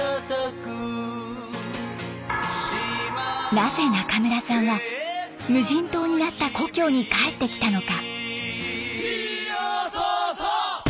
なぜ中村さんは無人島になった故郷に帰ってきたのか？